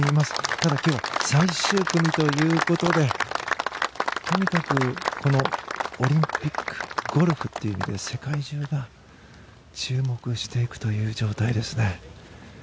ただ今日は最終組ということでとにかくこのオリンピックゴルフという意味で世界中が注目していくという状態ですね。